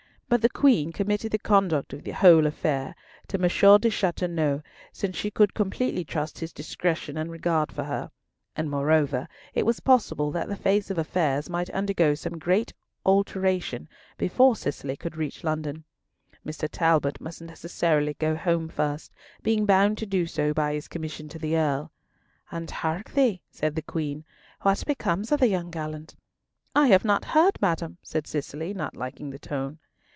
But the Queen committed the conduct of the whole affair to M. De Chateauneuf, since she could completely trust his discretion and regard for her; and, moreover, it was possible that the face of affairs might undergo some great alteration before Cicely could reach London. Mr. Talbot must necessarily go home first, being bound to do so by his commission to the Earl. "And, hark thee," said the Queen, "what becomes of the young gallant?" "I have not heard, madam," said Cicely, not liking the tone.